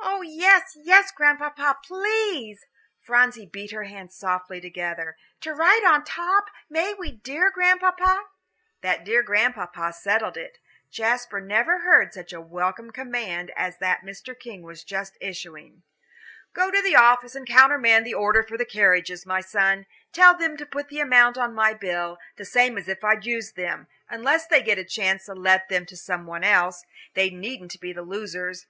"Oh, yes, yes, Grandpapa, please" Phronsie beat her hands softly together "to ride on top; may we, dear Grandpapa?" That "dear Grandpapa" settled it. Jasper never heard such a welcome command as that Mr. King was just issuing. "Go to the office and countermand the order for the carriages, my son; tell them to put the amount on my bill, the same as if I'd used them, unless they get a chance to let them to some one else. They needn't be the losers.